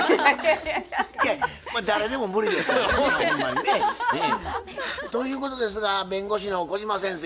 まあ誰でも無理ですわなほんまにね。ということですが弁護士の小島先生